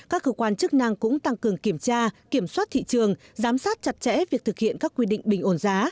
các cơ quan chức năng cũng tăng cường kiểm tra kiểm soát thị trường giám sát chặt chẽ việc thực hiện các quy định bình ổn giá